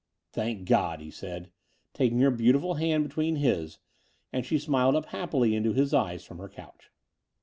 "Thank God," he said, taking her beautiful hand between his : and she smiled up happily into his eyes from her couch.